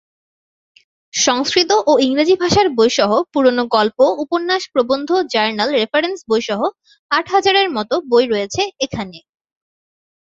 সংস্কৃত ও ইংরেজি ভাষার বই সহ পুরনো গল্প, উপন্যাস, প্রবন্ধ, জার্নাল, রেফারেন্স বই সহ আট হাজারের মতো বই রয়েছে এখানে।